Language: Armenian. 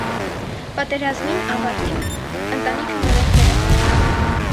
Պատերազմին աւարտին ընտանիքը նօրէն վերադարձաւ։